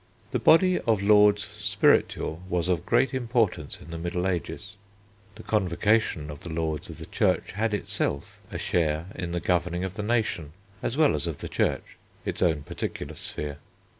The body of Lords Spiritual was of great importance in the Middle Ages. The Convocation of the lords of the Church had itself a share in the governing of the nation as well as of the Church, its own particular sphere.